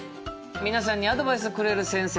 皆さんにアドバイスをくれる先生